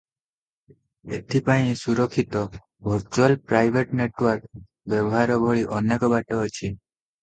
ଏଥି ପାଇଁ ସୁରକ୍ଷିତ "ଭର୍ଚୁଆଲ ପ୍ରାଇଭେଟ ନେଟୱାର୍କ" ବ୍ୟବହାର ଭଳି ଅନେକ ବାଟ ଅଛି ।